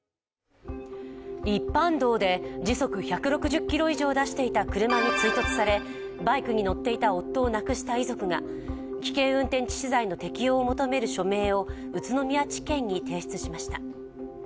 一般道で時速１６０キロ以上出していた車に追突されバイクに乗っていた夫を亡くした遺族が危険運転致死罪の適用を求める署名を宇都宮地検に提出しました。